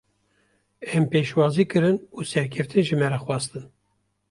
Em pêşwazî kirin û serkeftin ji me re xwestin.